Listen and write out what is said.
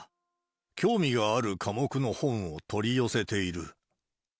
興味がある科目の本を取り寄せている。